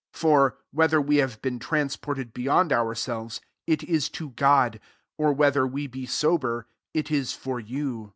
13 For^ whe her we have been transported )eyond ourselves, it is to God : )r whether we be sober, it is or you.